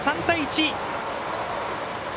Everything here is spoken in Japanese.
３対１！